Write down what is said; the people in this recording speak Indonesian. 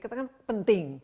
itu kan penting